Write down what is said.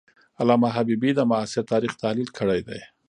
علامه حبیبي د معاصر تاریخ تحلیل کړی دی.